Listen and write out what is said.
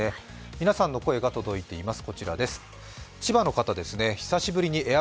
皆さんの声が届いています。